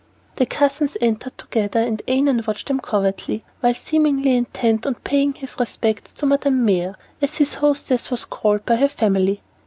The cousins entered together and Annon watched them covertly, while seemingly intent on paying his respects to Madame Mère, as his hostess was called by her family.